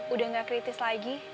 udah nggak kritis lagi